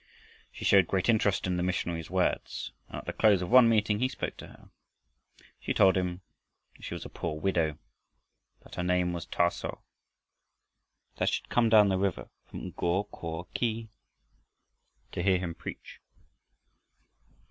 She showed great interest in the missionary's words, and, at the close of one meeting, he spoke to her. She told him she was a poor widow, that her name was Thah so, and that she had come down the river from Go ko khi to hear him preach.